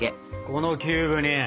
このキューブに。